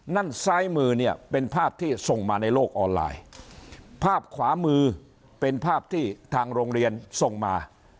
นั่นซ้ายมือเนี่ยเป็นภาพที่ส่งมาในโลกออนไลน์ภาพขวามือเป็นภาพที่ทางโรงเรียนส่งมา